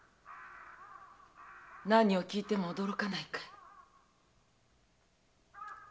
何を聞いても驚かないかい？